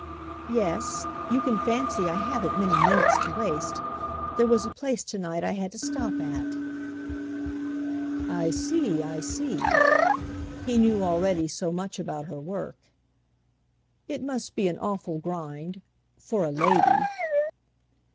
"Yes; you can fancy I haven't many minutes to waste. There was a place to night I had to stop at." "I see, I see—" he knew already so much about her work. "It must be an awful grind—for a lady."